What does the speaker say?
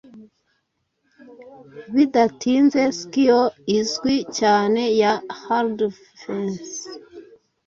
Bidatinzescion izwi cyane ya Healfdene